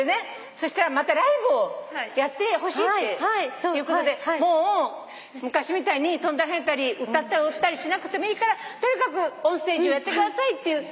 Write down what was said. そしたらまたライブをやってほしいっていうことでもう昔みたいに跳んだりはねたり歌ったり踊ったりしなくてもいいからとにかくオンステージをやってくださいっていう。